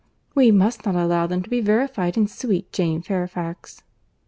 We must not allow them to be verified in sweet Jane Fairfax."